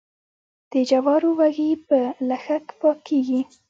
د جوارو وږي په لښک پاکیږي.